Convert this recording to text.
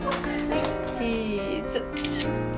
はいチーズ。